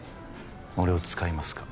俺を使いますか？